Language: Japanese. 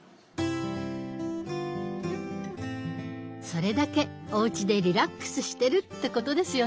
それだけおうちでリラックスしてるってことですよね。